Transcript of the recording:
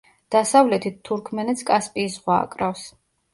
დასავლეთით თურქმენეთს კასპიის ზღვა აკრავს.